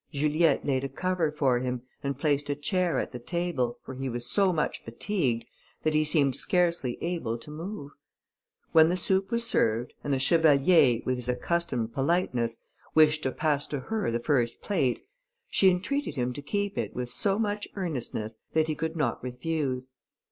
Juliette laid a cover for him, and placed a chair at the table, for he was so much fatigued that he seemed scarcely able to move. When the soup was served, and the chevalier, with his accustomed politeness, wished to pass to her the first plate, she entreated him to keep it with so much earnestness, that he could not refuse.